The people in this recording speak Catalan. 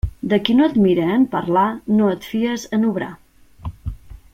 De qui no et mire en parlar, no et fies en obrar.